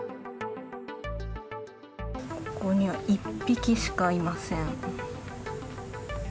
ここには１匹しかいません。